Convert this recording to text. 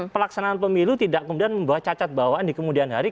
pelaksanaan pemilu tidak kemudian membawa cacat bawaan di kemudian hari